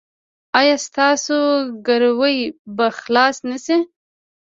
ایا ستاسو ګروي به خلاصه نه شي؟